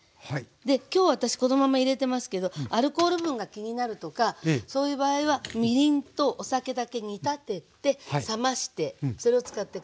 今日私このまま入れてますけどアルコール分が気になるとかそういう場合はみりんとお酒だけ煮立てて冷ましてそれを使って下さい。